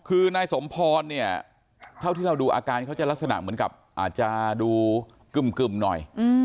คือนายสมพรเนี่ยเท่าที่เราดูอาการเขาจะลักษณะเหมือนกับอาจจะดูกึ่มหน่อย